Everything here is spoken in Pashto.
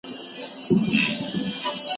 سدو ته د سلطاني مقام د خدمت په بدل کې ورکړل شو.